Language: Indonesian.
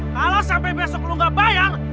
kalau sampe besok lo gak bayar